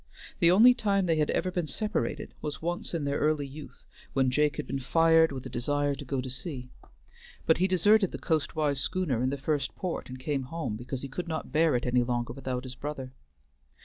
The only time they had ever been separated was once in their early youth, when Jake had been fired with a desire to go to sea; but he deserted the coastwise schooner in the first port and came home, because he could not bear it any longer without his brother.